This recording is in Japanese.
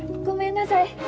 ごめんなさい。